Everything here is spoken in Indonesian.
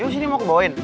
ya udah sini mau kebawain